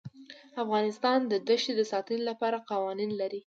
افغانستان د ښتې د ساتنې لپاره قوانین لري.